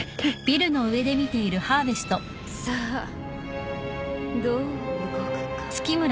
さあどう動くか。